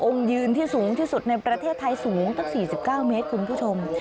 ยืนที่สูงที่สุดในประเทศไทยสูงตั้ง๔๙เมตรคุณผู้ชม